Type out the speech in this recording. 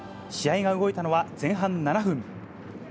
試合が動いたのは前半７分。